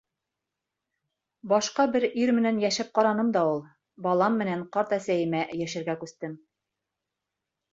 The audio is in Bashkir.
Башҡа бер ир менән йәшәп ҡараным да ул. Балам менән ҡарт әсәйемә йәшәргә күстем.